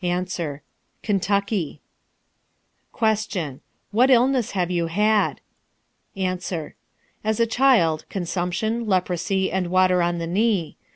A. Kentucky. Q. What illness have you had? A. As a child, consumption, leprosy, and water on the knee.